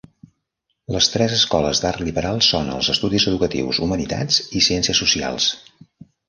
Les tres escoles d'art liberal són els estudis educatius, humanitats i ciències socials.